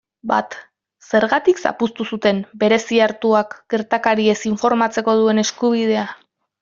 Bat, zergatik zapuztu zuten Bereziartuak gertakariez informatzeko duen eskubidea?